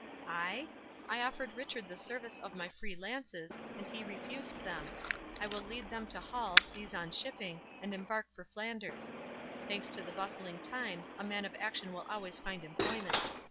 "I?—I offered Richard the service of my Free Lances, and he refused them—I will lead them to Hull, seize on shipping, and embark for Flanders; thanks to the bustling times, a man of action will always find employment.